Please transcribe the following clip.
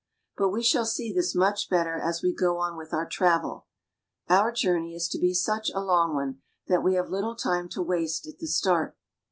But we shall see this much better as we go on with our travel. Our journey is to be such a long one, that we have little time to waste at the start.